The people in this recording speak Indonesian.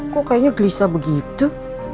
kok kayaknya gelisah begitu